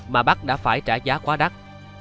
mà bắc đã phải trả giá quá đắt